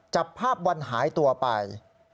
จับภาพวันหายตัวไป